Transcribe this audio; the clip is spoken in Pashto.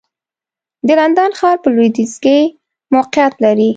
د لندن ښار په لوېدیځ کې موقعیت لري.